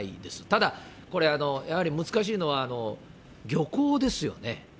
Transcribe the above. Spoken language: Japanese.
ただ、これ、やはり難しいのは漁港ですよね。